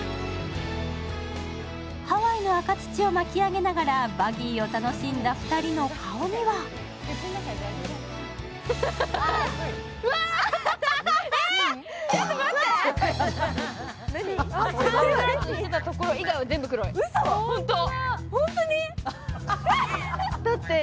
ハワイの赤土を巻き上げながらバギーを楽しんだ２人の顔にはえっ、ちょっと待って。